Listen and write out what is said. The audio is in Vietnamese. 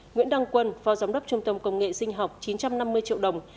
nguyễn đăng quân phó giám đốc trung tâm công nghệ sinh học chín trăm năm mươi triệu đồng